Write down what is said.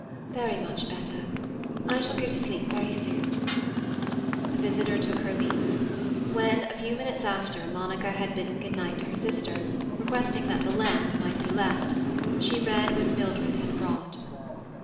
"Very much better. I shall go to sleep very soon." The visitor took her leave. When, a few minutes after, Monica had bidden good night to her sister (requesting that the lamp might be left), she read what Mildred had brought.